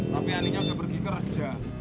tapi aninya sudah pergi kerja